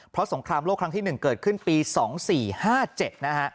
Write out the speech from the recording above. เพราะสงครามโลกครั้งที่๑เกิดขึ้นปี๒๔๕๗นะฮะ